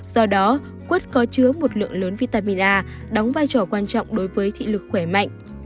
do đó quất có chứa một lượng lớn vitamin a đóng vai trò quan trọng đối với thị lực khỏe mạnh